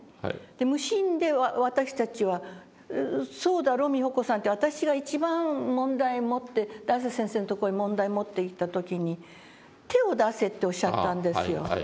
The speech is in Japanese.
無心で私たちは「そうだろ美穂子さん」って私が一番問題を持って大拙先生のとこへ問題持っていった時に「手を出せ」っておっしゃったんですよ。